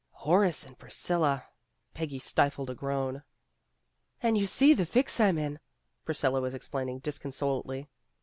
Horace and Priscilla! Peggy stifled a groan. "And you see the fix I'm in," Priscilla was explaining disconsolately.